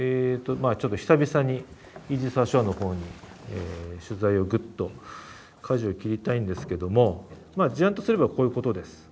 まあちょっと久々にイージス・アショアの方に取材をぐっとかじをきりたいんですけどもまあ事案とすればこういうことです。